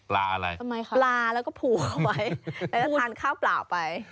ปลาอะไรทำไมคะปลาแล้วก็ผัวไว้แล้วจะทานข้าวปลาไป